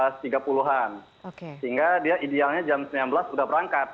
sehingga dia idealnya jam sembilan belas sudah berangkat